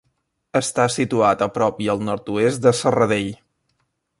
Està situat a prop i al nord-oest de Serradell.